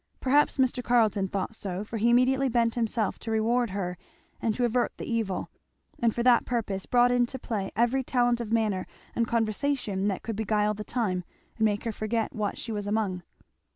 Perhaps Mr. Carleton thought so, for he immediately bent himself to reward her and to avert the evil, and for that purpose brought into play every talent of manner and conversation that could beguile the time and make her forget what she was among.